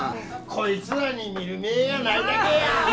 こいつらに見る目ぇがないだけや！